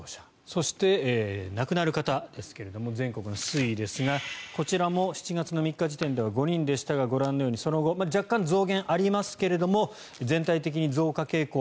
そして亡くなる方ですけれど全国の推移ですがこちらも７月３日時点では５人でしたが、ご覧のようにその後、若干増減がありますけれども全体的に増加傾向。